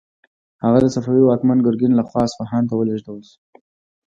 هغه د صفوي واکمن ګرګین خان لخوا اصفهان ته ولیږل شو.